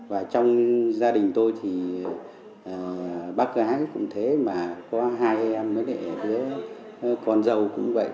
và trong gia đình tôi thì bác gái cũng thế mà có hai em với lại đứa con dâu cũng vậy